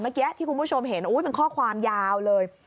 เมื่อกี้ที่คุณผู้ชมเห็นเป็นข้อความยาวเลย